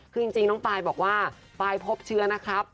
คือจริงน้องปายบอกว่าปลายพบเชื้อนะครับ